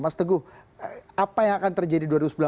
mas teguh apa yang akan terjadi dua ribu sembilan belas